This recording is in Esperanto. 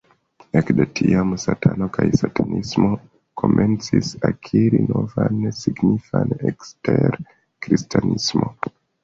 Ekde tiam, Satano kaj Satanismo komencis akiri novan signifan ekster Kristanismo.